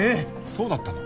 そうだったの？